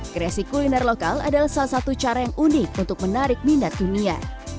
kreasi kuliner lokal adalah salah satu cara yang unik untuk menarik minat dunia